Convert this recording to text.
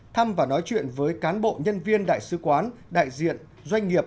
thăm và nói chuyện với cán bộ nhân viên đại sứ quán đại diện doanh nghiệp